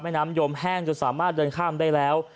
น้ำยมแห้งจนสามารถเดินข้ามได้แล้ว